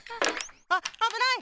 あっあぶない！